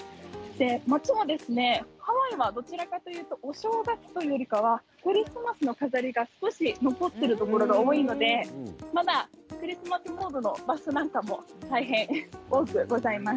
街も、ハワイはどちらかというとお正月というよりかはクリスマスの飾り、少し残っているところが多いのでまだクリスマスモードの場所なんかも大変多くございます。